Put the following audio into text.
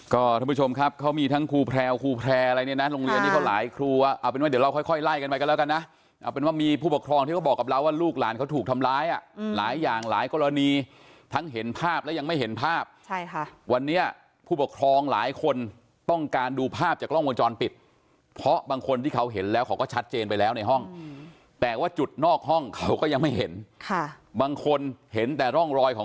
ก็ท่านผู้ชมครับเขามีทั้งครูแพร่ครูแพร่อะไรเนี้ยนะโรงเรียนที่เขาหลายครูอ่ะเอาเป็นว่าเดี๋ยวเราค่อยไล่กันไปกันแล้วกันนะเอาเป็นว่ามีผู้ปกครองที่เขาบอกกับเราว่าลูกหลานเขาถูกทำล้ายอ่ะหลายอย่างหลายกรณีทั้งเห็นภาพแล้วยังไม่เห็นภาพใช่ค่ะวันนี้ผู้ปกครองหลายคนต้องการดูภาพจากล่องโมงจรปิดเพร